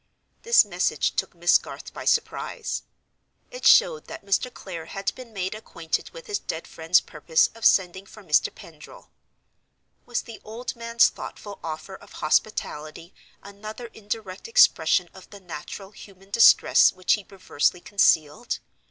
This message took Miss Garth by surprise. It showed that Mr. Clare had been made acquainted with his dead friend's purpose of sending for Mr. Pendril. Was the old man's thoughtful offer of hospitality another indirect expression of the natural human distress which he perversely concealed?